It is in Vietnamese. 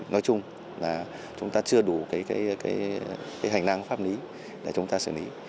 nói chung là chúng ta chưa đủ hành năng pháp lý để chúng ta xử lý